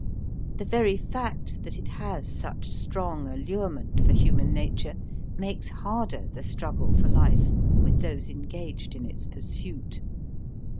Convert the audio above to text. The very fact that it has such strong allurement for human nature makes harder the struggle for life with those engaged in its pursuit.